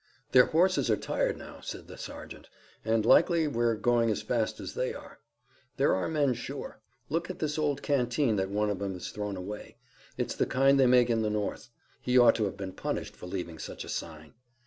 "Their horses are tired now," said the sergeant, "and likely we're going as fast as they are. They're our men sure. Look at this old canteen that one of 'em has thrown away. It's the kind they make in the North. He ought to have been punished for leaving such a sign."